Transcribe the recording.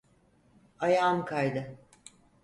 Ayağım kaydı.